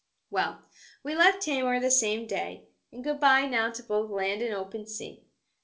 Well, we left Taimur the same day, and good bye now to both land and open sea.